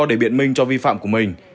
để biện minh cho vi phạm của mình